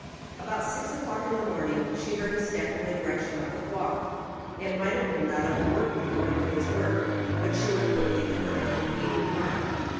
About six o'clock in the morning, she heard a step in the direc tion of the Bois. It might have been that of a workman going to his work ; but she went quickly toward it with a beating heart.